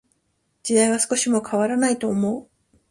時代は少しも変らないと思う。